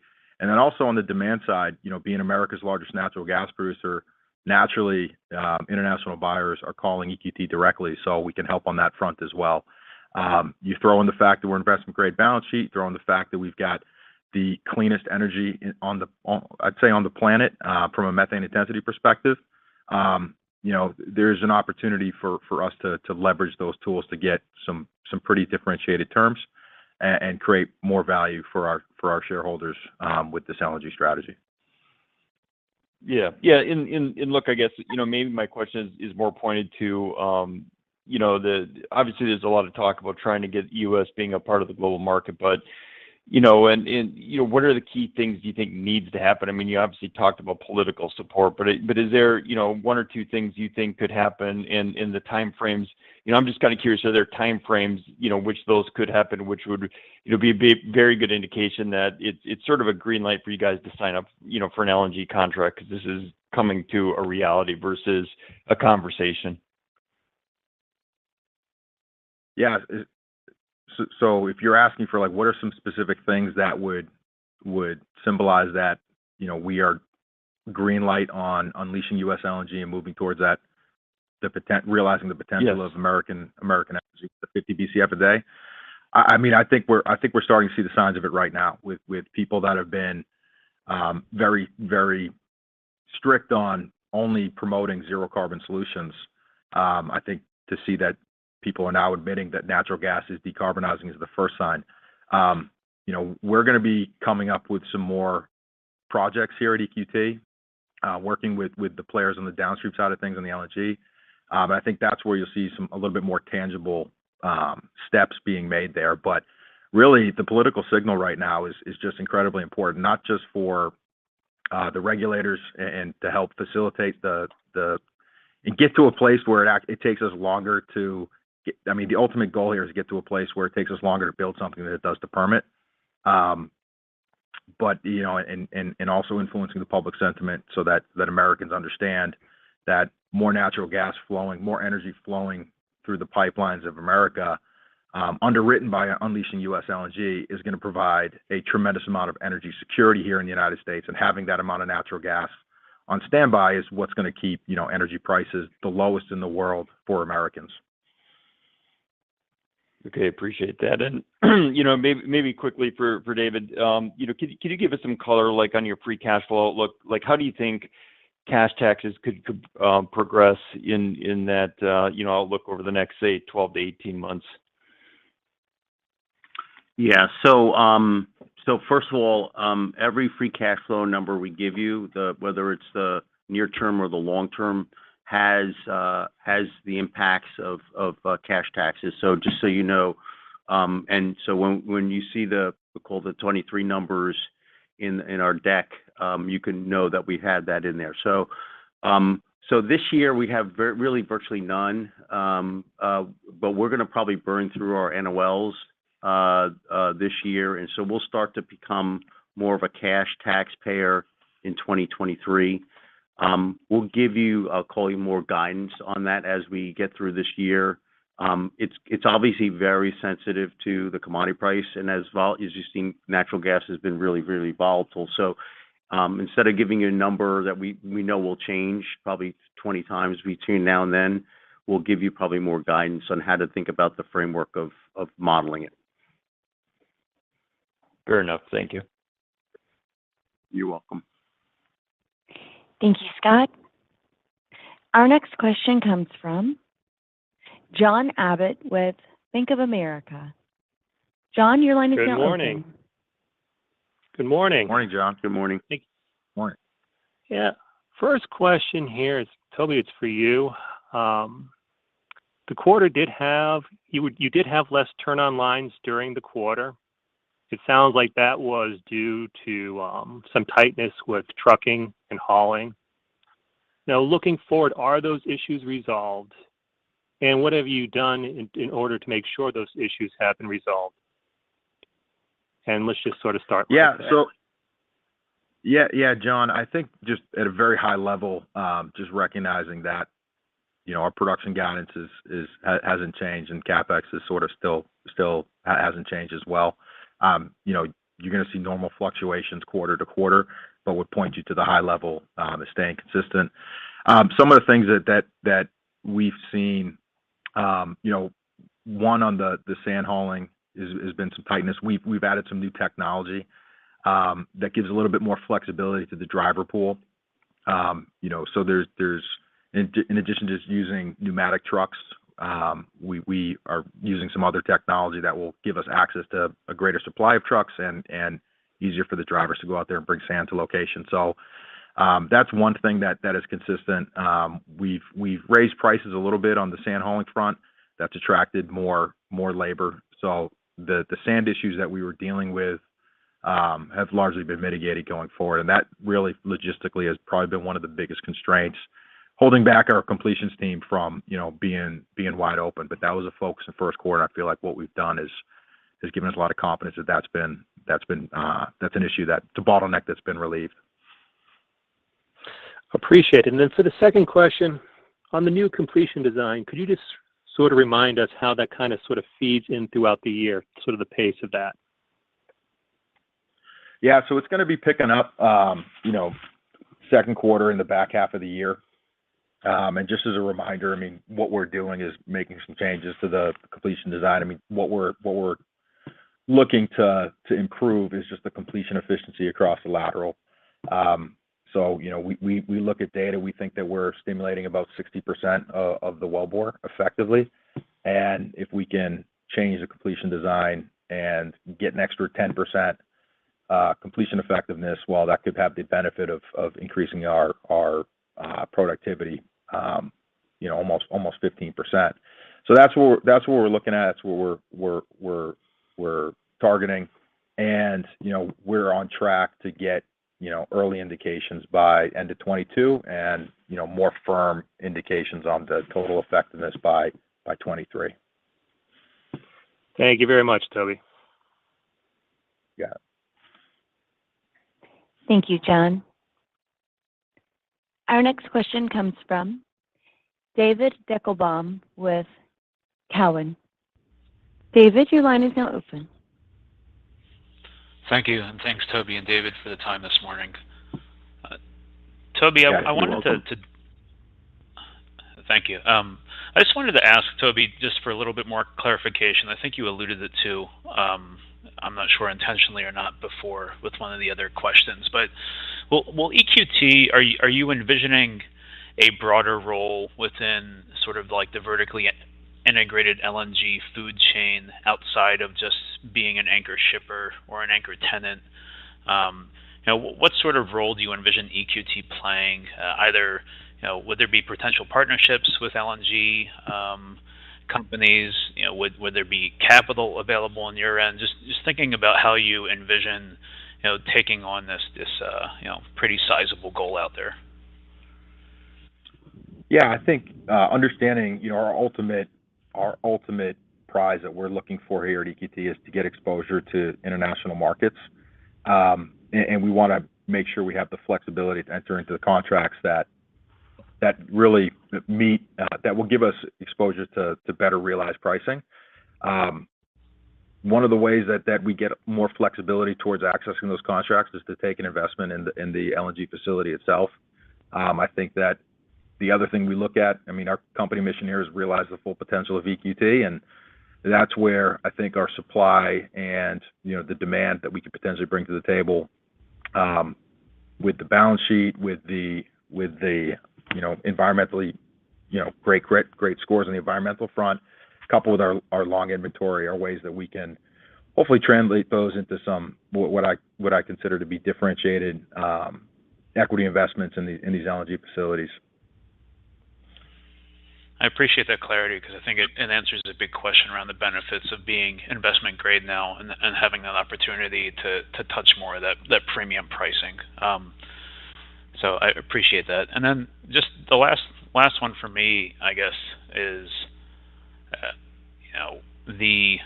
Then also on the demand side, you know, being America's largest natural gas producer, naturally, international buyers are calling EQT directly, so we can help on that front as well. You throw in the fact that we're an investment-grade balance sheet, throw in the fact that we've got the cleanest energy on the planet, I'd say, from a methane intensity perspective. You know, there's an opportunity for us to leverage those tools to get some pretty differentiated terms and create more value for our shareholders with this LNG strategy. Yeah, look, I guess you know, maybe my question is more pointed to you know the. Obviously, there's a lot of talk about trying to get U.S. being a part of the global market, but you know. What are the key things you think needs to happen? I mean, you obviously talked about political support, but but is there, you know, one or two things you think could happen in the time frames? You know, I'm just kind of curious, are there time frames, you know, which those could happen, which would, you know, be a very good indication that it's sort of a green light for you guys to sign up, you know, for an LNG contract because this is coming to a reality versus a conversation? Yeah. If you're asking for, like, what are some specific things that would symbolize that, you know, we are green light on unleashing US LNG and moving towards that, realizing the potential- Yes Of American energy, the 50 Bcf a day? I mean, I think we're starting to see the signs of it right now with people that have been very strict on only promoting zero carbon solutions. I think to see that people are now admitting that natural gas is decarbonizing is the first sign. You know, we're gonna be coming up with some more projects here at EQT, working with the players on the downstream side of things on the LNG. But I think that's where you'll see a little bit more tangible steps being made there. Really, the political signal right now is just incredibly important, not just for the regulators and to help facilitate the. Get to a place where it takes us longer to get. I mean, the ultimate goal here is to get to a place where it takes us longer to build something than it does to permit. You know, and also influencing the public sentiment so that Americans understand that more natural gas flowing, more energy flowing through the pipelines of America, underwritten by unleashing U.S. LNG is gonna provide a tremendous amount of energy security here in the United States. Having that amount of natural gas on standby is what's gonna keep, you know, energy prices the lowest in the world for Americans. Okay. Appreciate that. You know, maybe quickly for David, you know, can you give us some color, like, on your free cash flow outlook? Like, how do you think cash taxes could progress in that, you know, outlook over the next, say, 12-18 months? Yeah, first of all, every free cash flow number we give you, whether it's the near term or the long term, has the impacts of cash taxes. Just so you know, when you see, call it the 2023 numbers in our deck, you can know that we had that in there. This year we have virtually none, but we're gonna probably burn through our NOLs this year. We'll start to become more of a cash taxpayer in 2023. We'll give you more guidance on that as we get through this year. It's obviously very sensitive to the commodity price. As you've seen, natural gas has been really volatile. Instead of giving you a number that we know will change probably 20 times between now and then, we'll give you probably more guidance on how to think about the framework of modeling it. Fair enough. Thank you. You're welcome. Thank you, Scott. Our next question comes from John Abbott with Bank of America. John, your line is now open. Good morning. Good morning. Morning, John. Good morning. Thank you. Morning. Yeah. First question here is, Toby, it's for you. The quarter did have. You did have less turn-on lines during the quarter. It sounds like that was due to some tightness with trucking and hauling. Now looking forward, are those issues resolved? What have you done in order to make sure those issues have been resolved? Let's just sort of start with that. John, I think just at a very high level, just recognizing that, you know, our production guidance hasn't changed and CapEx is sort of still hasn't changed as well. You know, you're gonna see normal fluctuations quarter to quarter, but would point you to the high level as staying consistent. Some of the things that we've seen, you know, one on the sand hauling has been some tightness. We've added some new technology that gives a little bit more flexibility to the driver pool. You know, so there's. In addition to just using pneumatic trucks, we are using some other technology that will give us access to a greater supply of trucks and easier for the drivers to go out there and bring sand to locations. That's one thing that is consistent. We've raised prices a little bit on the sand hauling front. That's attracted more labor. The sand issues that we were dealing with have largely been mitigated going forward. That really logistically has probably been one of the biggest constraints holding back our completions team from being wide open. That was a focus in first quarter. I feel like what we've done has given us a lot of confidence that that's been relieved. It's a bottleneck that's been relieved. Appreciate it. For the second question, on the new completion design, could you just sort of remind us how that kind of sort of feeds in throughout the year, sort of the pace of that? Yeah. It's gonna be picking up, you know, second quarter in the back half of the year. Just as a reminder, I mean, what we're doing is making some changes to the completion design. I mean, what we're looking to improve is just the completion efficiency across the lateral. You know, we look at data. We think that we're stimulating about 60% of the wellbore effectively. If we can change the completion design and get an extra 10% completion effectiveness, while that could have the benefit of increasing our productivity, you know, almost 15%. That's what we're targeting. You know, we're on track to get, you know, early indications by end of 2022 and, you know, more firm indications on the total effectiveness by 2023. Thank you very much, Toby. Yeah. Thank you, John. Our next question comes from David Deckelbaum with Cowen. David, your line is now open. Thank you. Thanks, Toby and David, for the time this morning. Yeah. You're welcome. Thank you. I just wanted to ask Toby just for a little bit more clarification. I think you alluded to it, I'm not sure intentionally or not before with one of the other questions. Will EQT are you envisioning a broader role within sort of like the vertically integrated LNG food chain outside of just being an anchor shipper or an anchor tenant? You know, what sort of role do you envision EQT playing? Would there be potential partnerships with LNG companies? You know, would there be capital available on your end? Just thinking about how you envision taking on this pretty sizable goal out there. Yeah. I think understanding, you know, our ultimate prize that we're looking for here at EQT is to get exposure to international markets. We wanna make sure we have the flexibility to enter into the contracts that really meet that will give us exposure to better realize pricing. One of the ways that we get more flexibility towards accessing those contracts is to take an investment in the LNG facility itself. I think that the other thing we look at, I mean, our company mission here is realize the full potential of EQT, and that's where I think our supply and, you know, the demand that we could potentially bring to the table, with the balance sheet, with the, you know, environmentally, you know, great scores on the environmental front, coupled with our long inventory, are ways that we can hopefully translate those into some, what I consider to be differentiated, equity investments in these LNG facilities. I appreciate that clarity because I think it answers the big question around the benefits of being investment grade now and having that opportunity to touch more of that premium pricing. So I appreciate that. Then just the last one for me, I guess, is you know, the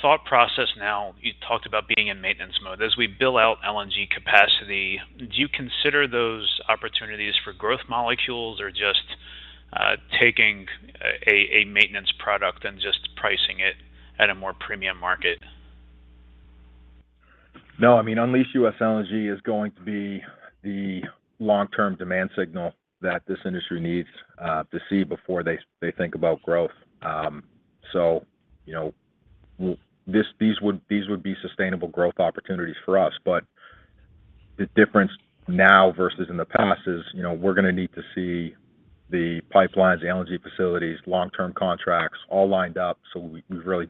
thought process now, you talked about being in maintenance mode. As we build out LNG capacity, do you consider those opportunities for growth molecules or just taking a maintenance product and just pricing it at a more premium market? No, I mean, Unleash US LNG is going to be the long-term demand signal that this industry needs to see before they think about growth. You know, these would be sustainable growth opportunities for us. But the difference now versus in the past is, you know, we're gonna need to see the pipelines, the LNG facilities, long-term contracts all lined up so we've really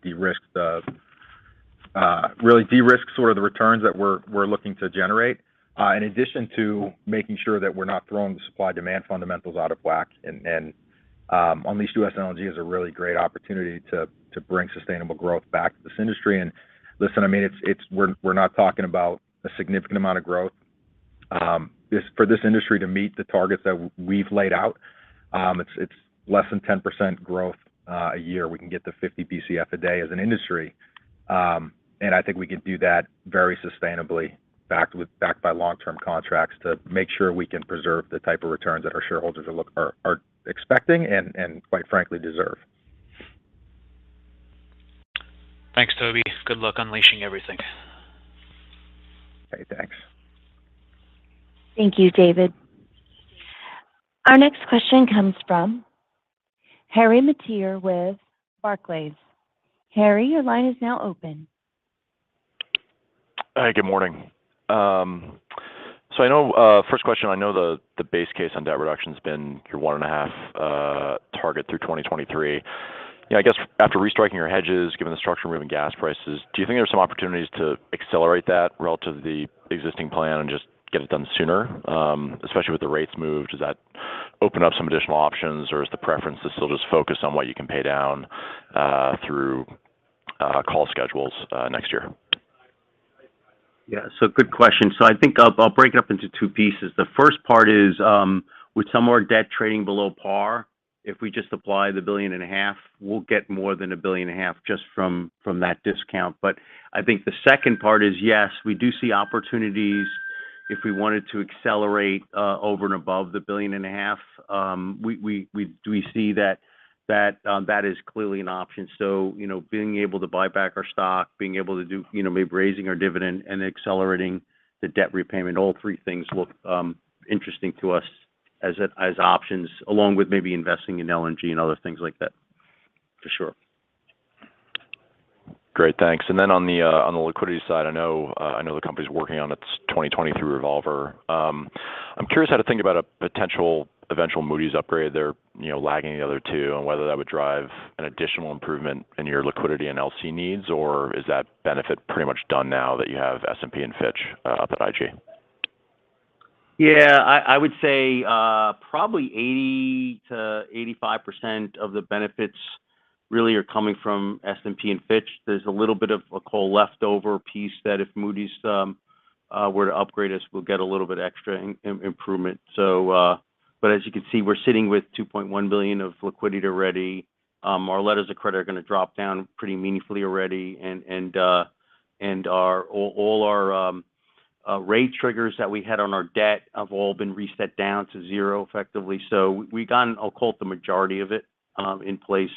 de-risked the returns that we're looking to generate in addition to making sure that we're not throwing the supply-demand fundamentals out of whack. Unleash US LNG is a really great opportunity to bring sustainable growth back to this industry. Listen, I mean, we're not talking about a significant amount of growth for this industry to meet the targets that we've laid out. It's less than 10% growth a year. We can get to 50 Bcf a day as an industry. I think we can do that very sustainably backed by long-term contracts to make sure we can preserve the type of returns that our shareholders are expecting and quite frankly deserve. Thanks, Toby. Good luck unleashing everything. Okay, thanks. Thank you, David. Our next question comes from Harry Mateer with Barclays. Harry, your line is now open. Hi, good morning. First question, I know the base case on debt reduction's been your $1.5 target through 2023. You know, I guess after restriking your hedges, given the structural move in gas prices, do you think there are some opportunities to accelerate that relative to the existing plan and just get it done sooner? Especially with the rates move, does that open up some additional options, or is the preference to still just focus on what you can pay down through call schedules next year? Yeah. Good question. I think I'll break it up into two pieces. The first part is, with some more debt trading below par, if we just apply the $1.5 billion, we'll get more than $1.5 billion just from that discount. But I think the second part is, yes, we do see opportunities if we wanted to accelerate over and above the $1.5 billion. We do see that is clearly an option. You know, being able to buy back our stock, being able to do, you know, maybe raising our dividend and accelerating the debt repayment, all three things look interesting to us as options, along with maybe investing in LNG and other things like that, for sure. Great. Thanks. On the liquidity side, I know the company's working on its 2023 revolver. I'm curious how to think about a potential eventual Moody's upgrade. They're, you know, lagging the other two, and whether that would drive an additional improvement in your liquidity and LC needs, or is that benefit pretty much done now that you have S&P and Fitch at IG? Yeah. I would say probably 80%-85% of the benefits really are coming from S&P and Fitch. There's a little bit of a small leftover piece that if Moody's were to upgrade us, we'll get a little bit extra improvement. But as you can see, we're sitting with $2.1 billion of liquidity already. Our letters of credit are gonna drop down pretty meaningfully already. And all our rate triggers that we had on our debt have all been reset down to zero effectively. We've gotten, I'll call it, the majority of it, in place.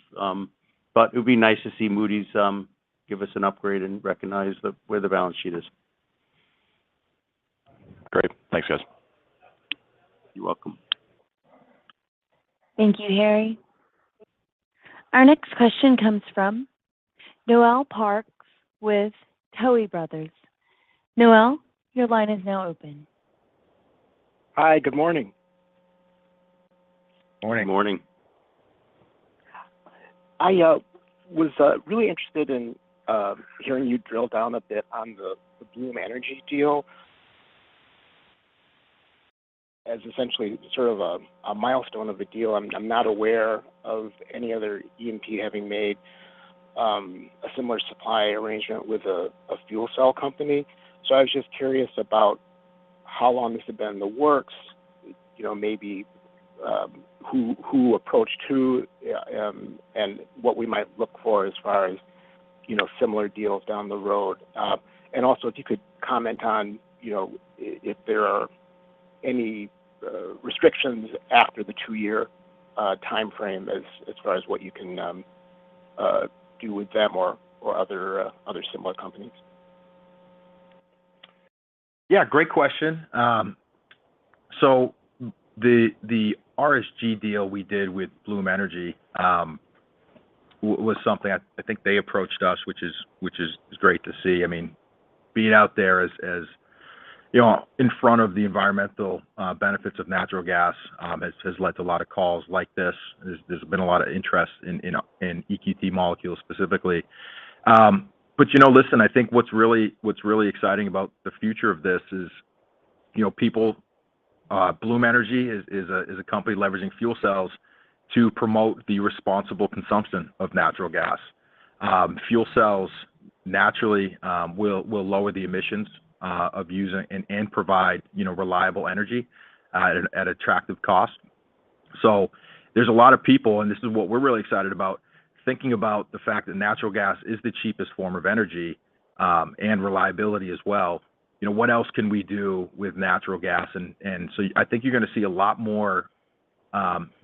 But it would be nice to see Moody's give us an upgrade and recognize where the balance sheet is. Great. Thanks, guys. You're welcome. Thank you, Harry. Our next question comes from Noel Parks with Tuohy Brothers. Noel, your line is now open. Hi, good morning. Morning. Morning. I was really interested in hearing you drill down a bit on the Bloom Energy deal. As essentially sort of a milestone of the deal, I'm not aware of any other E&P having made a similar supply arrangement with a fuel cell company. I was just curious about how long has it been in the works, you know, maybe who approached who, and what we might look for as far as, you know, similar deals down the road. Also if you could comment on, you know, if there are any restrictions after the two-year timeframe as far as what you can do with them or other similar companies. Yeah, great question. The RSG deal we did with Bloom Energy was something I think they approached us, which is great to see. I mean, being out there as you know in front of the environmental benefits of natural gas has led to a lot of calls like this. There's been a lot of interest in EQT molecules specifically. You know, listen, I think what's really exciting about the future of this is, you know, people. Bloom Energy is a company leveraging fuel cells to promote the responsible consumption of natural gas. Fuel cells naturally will lower the emissions of using and provide, you know, reliable energy at attractive cost. There's a lot of people, and this is what we're really excited about, thinking about the fact that natural gas is the cheapest form of energy, and reliability as well. You know, what else can we do with natural gas? So I think you're gonna see a lot more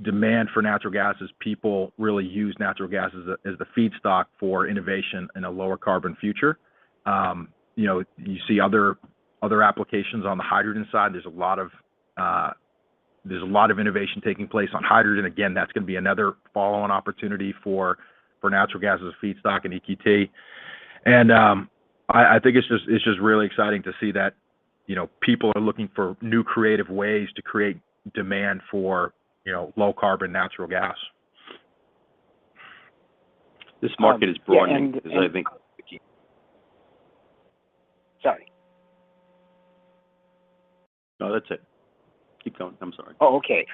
demand for natural gas as people really use natural gas as the feedstock for innovation in a lower carbon future. You know, you see other applications on the hydrogen side. There's a lot of innovation taking place on hydrogen. Again, that's gonna be another follow-on opportunity for natural gas as a feedstock in EQT. I think it's just really exciting to see that, you know, people are looking for new creative ways to create demand for low carbon natural gas. This market is broadening because I think. Sorry. No, that's it. Keep going. I'm sorry. Oh, okay.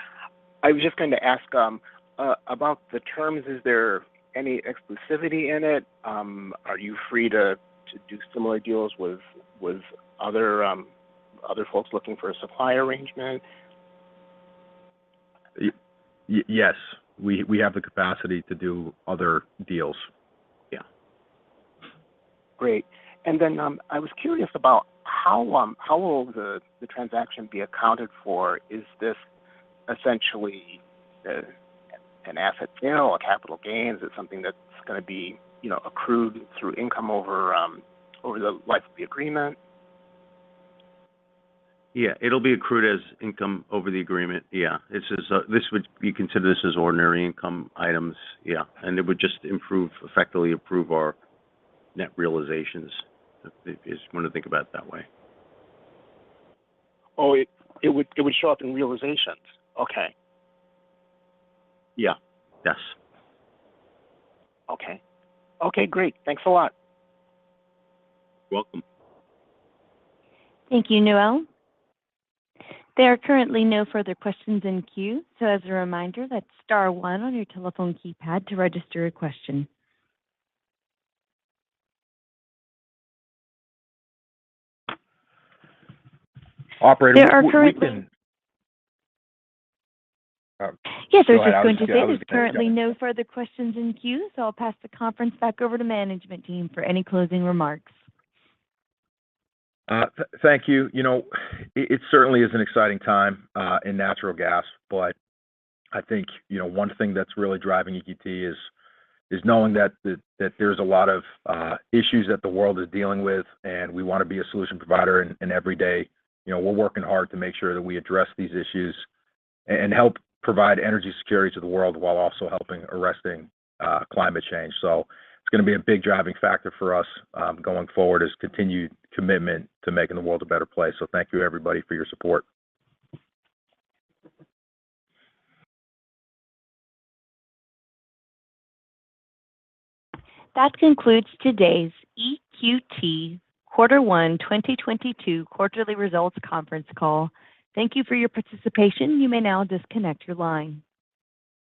I was just going to ask about the terms. Is there any exclusivity in it? Are you free to do similar deals with other folks looking for a supply arrangement? Yes, we have the capacity to do other deals. Yeah. Great. I was curious about how will the transaction be accounted for? Is this essentially an asset sale or capital gains or something that's gonna be, you know, accrued through income over the life of the agreement? Yeah. It'll be accrued as income over the agreement. Yeah. This would be considered as ordinary income items. Yeah. It would just effectively improve our net realizations if you wanna think about it that way. Oh, it would show up in realizations? Okay. Yeah. Yes. Okay, great. Thanks a lot. Welcome. Thank you, Noel. There are currently no further questions in queue. As a reminder, that's star one on your telephone keypad to register a question. Operator- There are currently. Oh. Yes. I was just going to say there's currently no further questions in queue, so I'll pass the conference back over to management team for any closing remarks. Thank you. You know, it certainly is an exciting time in natural gas, but I think, you know, one thing that's really driving EQT is knowing that there's a lot of issues that the world is dealing with, and we wanna be a solution provider. Every day, you know, we're working hard to make sure that we address these issues and help provide energy security to the world while also helping arrest climate change. It's gonna be a big driving factor for us going forward as continued commitment to making the world a better place. Thank you everybody for your support. That concludes today's EQT Quarter One 2022 quarterly results conference call. Thank you for your participation. You may now disconnect your line.